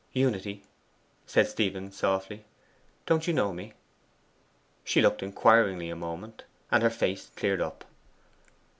'Unity,' said Stephen softly, 'don't you know me?' She looked inquiringly a moment, and her face cleared up.